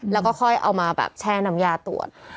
แล้วก็ค่อยเอามาแบบแช่น้ำยาตรวจ